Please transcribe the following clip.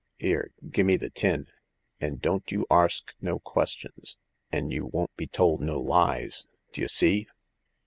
" 'Ere, gimme the tin ; an' don't you arsk no ques tions an' you won't be tol' no lies ! D'ye see